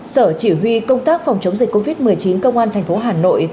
sở chỉ huy công tác phòng chống dịch covid một mươi chín công an tp hà nội